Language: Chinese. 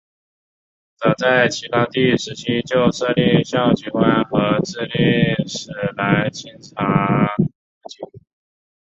早在齐高帝时期就设立校籍官和置令史来清查户籍。